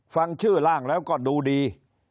ฟังชื่อร่างแล้วก็ดูดี